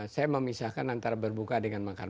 saya memisahkan antara berbuka dengan makan